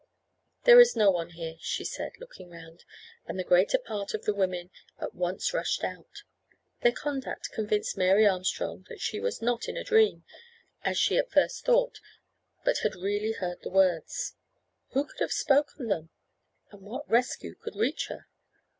"There is no one here," she said, looking round, and the greater part of the women at once rushed out. Their conduct convinced Mary Armstrong that she was not in a dream, as she at first thought, but had really heard the words. Who could have spoken them, or what rescue could reach her?